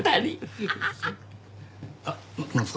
あっなんですか？